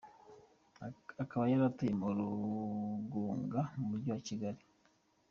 Akaba yari atuye mu Rugunga mu mujyi wa Kigali.